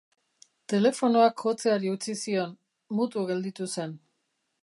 Telefonoak jotzeari utzi zion, mutu gelditu zen.